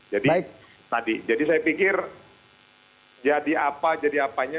jadi tadi jadi saya pikir jadi apa jadi apanya